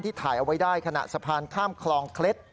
ถ่ายเอาไว้ได้ขณะสะพานข้ามคลองเคล็ด